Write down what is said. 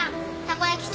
たこ焼き